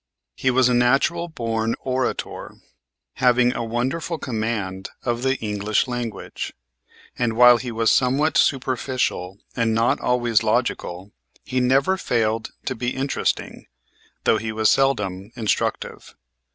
He was a natural born orator, having a wonderful command of the English language; and, while he was somewhat superficial and not always logical, he never failed to be interesting, though he was seldom instructive.